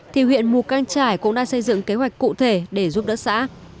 thì huyện mù căng trải cũng đang xây dựng kế hoạch cụ thể để giúp đỡ xã